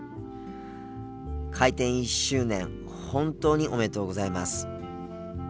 開店１周年本当におめでとうございます！